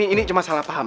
ini cuma salah paham